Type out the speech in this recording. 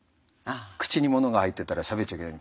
口にものが入ってたらしゃべっちゃいけない。